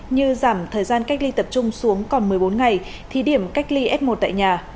như giảm thời gian cách ly tập trung xuống còn một mươi bốn ngày thí điểm cách ly f một tại nhà